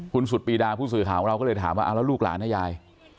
คุณสุดปีดาผู้สื่อข่าวของเราก็เลยถามว่าเอาแล้วลูกหลานนะยาย